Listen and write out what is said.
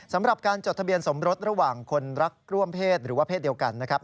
สำหรับการจดทะเบียนสมรสระหว่างคนรักร่วมเพศหรือว่าเพศเดียวกันนะครับ